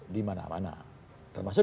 di mana mana termasuk